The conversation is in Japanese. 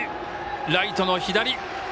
ライトの左。